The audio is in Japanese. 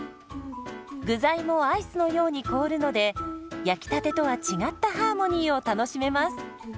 具材もアイスのように凍るので焼きたてとは違ったハーモニーを楽しめます。